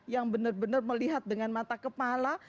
yang benar benar melihat dengan mata kepala